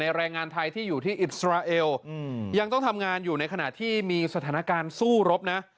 แรงงานไทยที่อยู่ที่อิสราเอลยังต้องทำงานอยู่ในขณะที่มีสถานการณ์สู้รบนะ